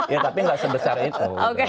ya tapi nggak sebesar itu